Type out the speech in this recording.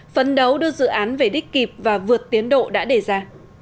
phấn đấu đưa dự án về đích kịp và vượt tiến độ đã đề ra